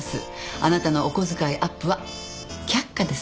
あなたのお小遣いアップは却下です。